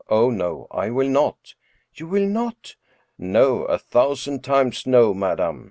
Oh, no, I will not'* "You will not?" " No, a thousand times no, madam.